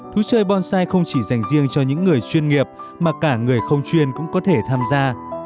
thú chơi bonsai không chỉ dành riêng cho những người chuyên nghiệp mà cả người không chuyên cũng có thể tham gia